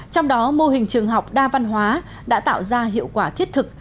trong đó mô hình trường học đa văn hóa đã tạo ra hiệu quả thiết thực